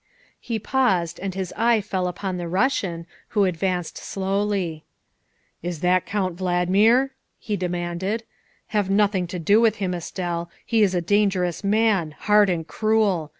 He paused and his eye fell upon the Russian, who ad vanced slowly. " Is that Count Valdmir?" he demanded. " Have nothing to do with him, Estelle. He 's a dangerous man hard and cruel.